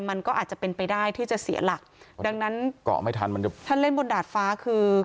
มันก็อาจจะเป็นไปได้ที่จะเสียหลักดังนั้นเกาะไม่ทันมันจะถ้าเล่นบนดาดฟ้าคือ